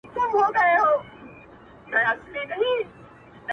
• په ورځ کي سل ځلي ځارېدله،